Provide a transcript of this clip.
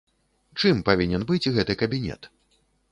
Чым павінен быць гэты кабінет?